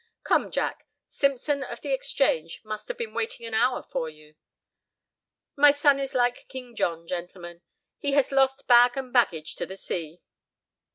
"Come, Jack. Simpson of the Exchange must have been waiting an hour for you. My son is like King John, gentlemen—he has lost bag and baggage to the sea."